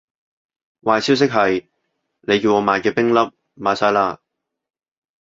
壞消息係，你叫我買嘅冰粒賣晒喇